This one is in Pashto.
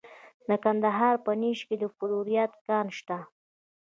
د کندهار په نیش کې د فلورایټ کان شته.